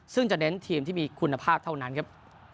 ซึ่งจะเน้นทีมที่มีคุณภาพเท่านั้นครับ